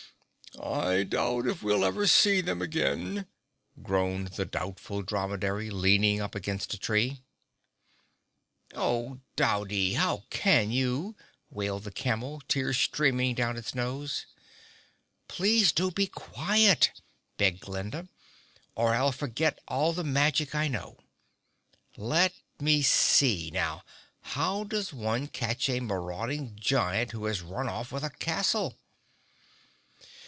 "I doubt if we'll ever see them again," groaned the Doubtful Dromedary, leaning up against a tree. "Oh Doubty—how can you?" wailed the Camel, tears streaming down its nose. "Please do be quiet," begged Glinda, "or I'll forget all the magic I know. Let me see, now—how does one catch a marauding giant who has run off with a castle?"